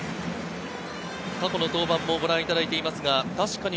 過去の登板もご覧いただいています。